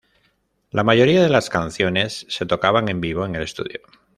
La mayoría de las canciones se tocaban en vivo en el estudio.